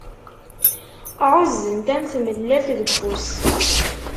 Ɛuzzen-t am tmellalt deg ufus.